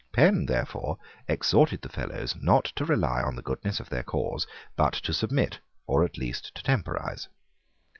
Penn, therefore, exhorted the Fellows not to rely on the goodness of their cause, but to submit, or at least to temporise.